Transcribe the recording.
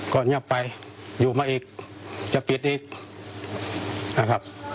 เงียบไปอยู่มาอีกจะปิดอีกนะครับ